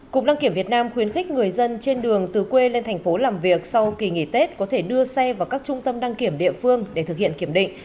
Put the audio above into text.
cục đăng kiểm việt nam khuyến khích người dân trên đường từ quê lên thành phố làm việc sau kỳ nghỉ tết có thể đưa xe vào các trung tâm đăng kiểm địa phương để thực hiện kiểm định